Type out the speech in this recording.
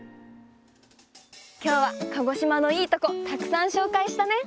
きょうは鹿児島のいいとこたくさんしょうかいしたね。